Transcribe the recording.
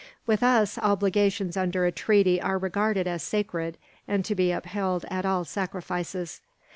With us, obligations under a treaty are regarded as sacred, and to be upheld at all sacrifices.